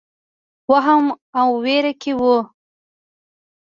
وهم او وېره کې وو.